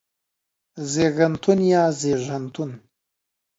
زيږنتون يا زيژنتون